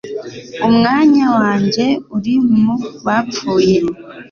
Umwanya wanjye uri mu bapfuye